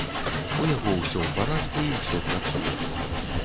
У яго ўсё ў парадку, і ўсё працуе.